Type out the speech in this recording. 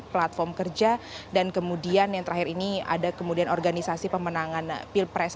platform kerja dan kemudian yang terakhir ini ada kemudian organisasi pemenangan pilpres